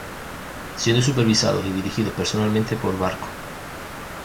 Siendo supervisados y dirigidos personalmente por Barco.